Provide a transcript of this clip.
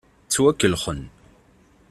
Ttwakellxen.